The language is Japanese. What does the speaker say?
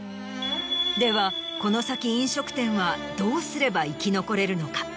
ではこの先飲食店はどうすれば生き残れるのか？